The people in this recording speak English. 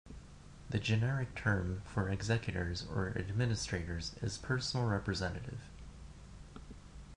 The generic term for executors or administrators is personal representative.